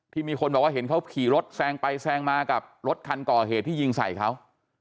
มีคนบอกว่าเห็นเขาขี่รถแซงไปแซงมากับรถคันก่อเหตุที่ยิงใส่เขา